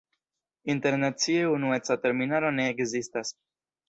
Internacie unueca terminaro ne ekzistas.